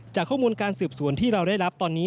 จากข้อมูลการสืบสวนที่เราได้รับตอนนี้